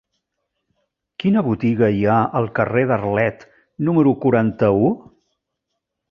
Quina botiga hi ha al carrer d'Arlet número quaranta-u?